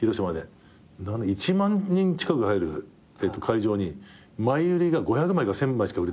１万人近く入る会場に前売りが５００枚か１，０００枚しか売れてなくて。